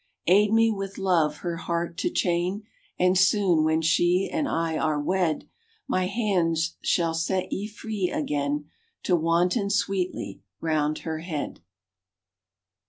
Aid me with love her heart to chain, And soon, when she and I are wed, My hands shall set ye free again To wanton sweetly round her head.